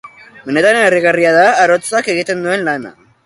Benetan harrigarria da arotzak egin duen lana.